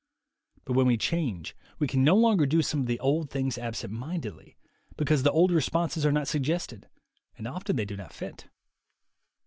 But when we change, we can no longer do some of the old things absent mindedly, because the old responses are not suggested, and often they do not fit.